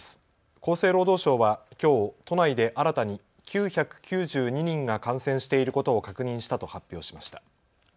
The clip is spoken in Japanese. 厚生労働省はきょう都内で新たに９９２人が感染していることを確認したと発表しました。